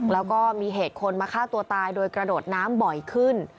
แล้วก็มีเหตุคนมาฆ่าตัวตายโดยกระโดดน้ำบ่อยขึ้น